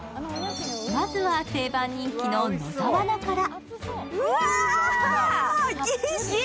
まずは定番人気の野沢菜から。